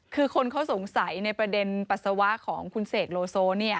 คือคนเขาสงสัยในประเด็นปัสสาวะของคุณเสกโลโซ